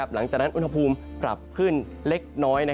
หลังจากนั้นอุณหภูมิปรับขึ้นเล็กน้อย